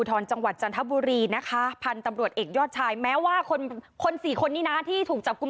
ตอนนี้ยังไม่ทราบกำลังคอไปเป็น